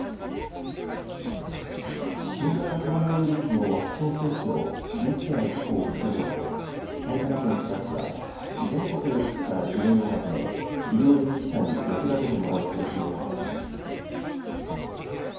新型コロナウイルスのワクチン接種のミスや事故を防ごうと埼玉県戸田市は全国で起きた事例をまとめ医療従事者に役立ててもらう取り組みを始めました。